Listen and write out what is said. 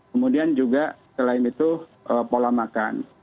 kemudian juga selain itu pola makan